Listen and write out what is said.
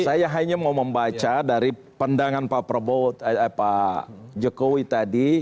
saya hanya mau membaca dari pandangan pak prabowo pak jokowi tadi